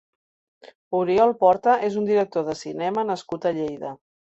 Oriol Porta és un director de cinema nascut a Lleida.